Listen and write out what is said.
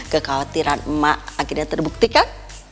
kekhawatiran emak akhirnya terbuktikan